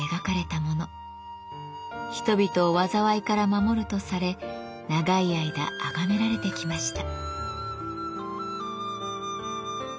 人々を災いから守るとされ長い間あがめられてきました。